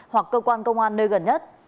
hoặc cơ quan công an nơi gần nhất